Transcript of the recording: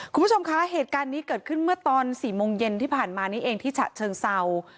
คุณผู้ชมคะเหตุการณ์นี้เกิดขึ้นเมื่อตอน๔โมงเย็นที่ผ่านมานี้เองที่ฉะเชิงเศร้า